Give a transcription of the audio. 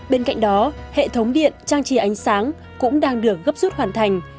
bên cạnh đó hệ thống điện trang trí ánh sáng cũng đang được gấp rút hoàn thành